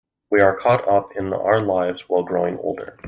We are caught up in our lives while growing older.